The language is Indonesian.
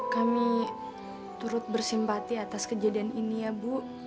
kami turut bersimpati atas kejadian ini ya bu